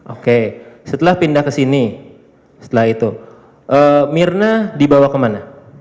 oke setelah pindah ke sini setelah itu mirna dibawa kemana